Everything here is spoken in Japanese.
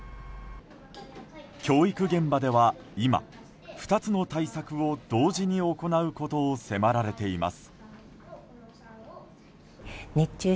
教育現場では今２つの対策を同時に行うことを迫られています。